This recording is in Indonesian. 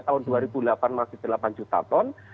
tahun dua ribu delapan masih delapan juta ton